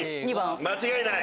間違いない！